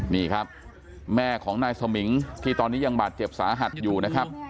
นี่ครับแม่ของนายสมิงที่ตอนนี้ยังบาดเจ็บสาหัสอยู่นะครับ